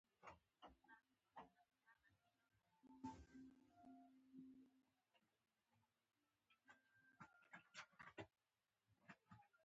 د مړو د ښخولو لپاره ځانګړي اصول شته.